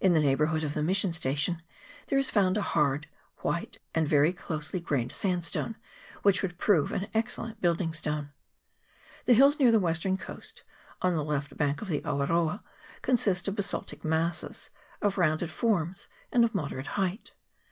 In the neighbourhood of the mission station there is found a white, hard, and very closely grained sandstone, which would prove an excellent building stone. The hills near the western coast, on the left bank of the Awaroa, consist of basaltic masses, of rounded forms and of moderate height.